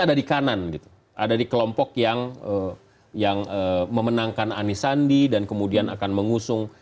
ada di kanan gitu ada di kelompok yang yang memenangkan anies sandi dan kemudian akan mengusung